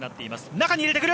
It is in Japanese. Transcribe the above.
中に入れてくる。